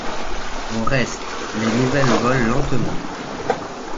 Au reste, les nouvelles volent lentement.